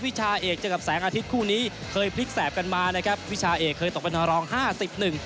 ชาเอกเจอกับแสงอาทิตย์คู่นี้เคยพลิกแสบกันมานะครับวิชาเอกเคยตกเป็นรองห้าสิบหนึ่ง